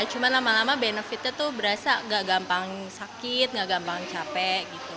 cuma lama lama benefitnya tuh berasa gak gampang sakit gak gampang capek gitu